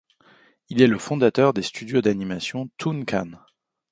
Il est le fondateur des studios d'animations Tooncan.